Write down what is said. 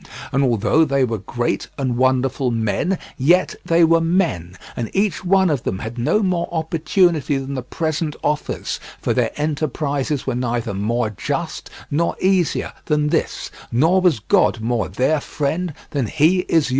And although they were great and wonderful men, yet they were men, and each one of them had no more opportunity than the present offers, for their enterprises were neither more just nor easier than this, nor was God more their friend than He is yours.